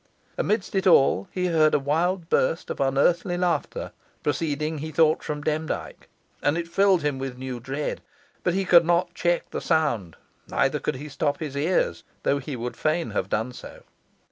Amidst it all he heard a wild burst of unearthly laughter, proceeding, he thought, from Demdike, and it filled him with new dread. But he could not check the sound, neither could he stop his ears, though he would fain have done so.